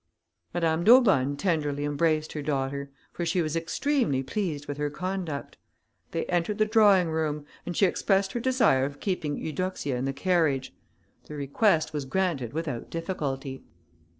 Madame d'Aubonne tenderly embraced her daughter, for she was extremely pleased with her conduct. They entered the drawing room, and she expressed her desire of keeping Eudoxia in the carriage; the request was granted without difficulty.